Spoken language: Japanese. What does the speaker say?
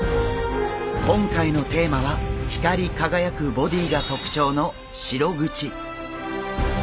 今回のテーマは光り輝くボディーが特徴のシログチ。